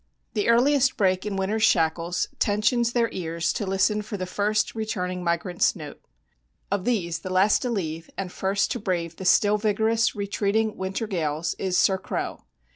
The earliest break in winter's shackles tensions their ears to listen for the first returning migrant's note. Of these the last to leave and first to brave the still vigorous, retreating winter gales is Sir Crow.